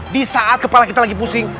disaat kepala kita lagi pusing